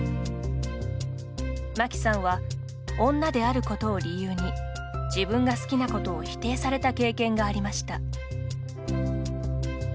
マキさんは女であることを理由に自分が好きなことを否定された経験がありました。